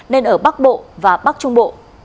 nên ở bắc bộ và bắc trung bộ